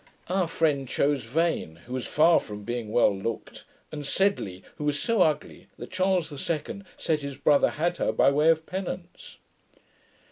'Our friend chose Vane, who was far from being well looked; and Sedley, who was so ugly, that Charles II said, his brother had her by way of penance.'